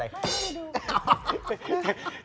ไม่ไม่ได้ดู